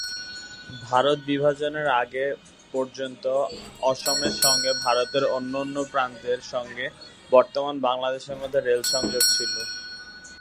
ভারত বিভাজনের আগে পর্যন্ত অসমের সঙ্গে ভারতের অন্যান্য প্রান্তের সঙ্গে বর্তমান বাংলাদেশের মধ্যে রেল সংযোগ ছিল।